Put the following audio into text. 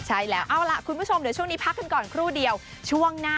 ใช่แล้วเอาล่ะคุณผู้ชมเดี๋ยวช่วงนี้พักกันก่อนครู่เดียวช่วงหน้า